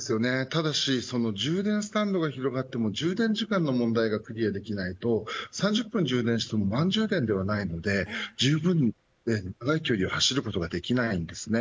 ただし充電スタンドが広がっても充電時間の問題がクリアできないと３０分充電しても満充電ではないのでじゅうぶんに長い距離を走ることができないんです。